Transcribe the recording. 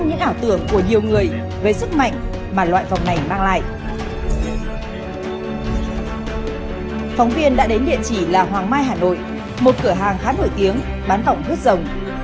phóng viên đã đến địa chỉ là hoàng mai hà nội một cửa hàng khá nổi tiếng bán tổng thư rồng